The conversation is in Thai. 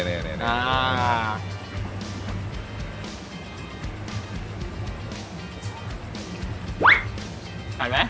อาดไหม